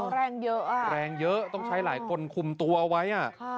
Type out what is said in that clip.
แรงเยอะต้องใช้หลายคนคุมตัวไว้